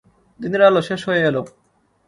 দিনের আলো শেষ হয়ে এল।